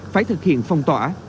phải thực hiện phong tỏa